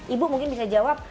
ibu mungkin bisa jawab